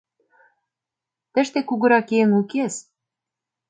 — Тыште кугурак еҥ укес.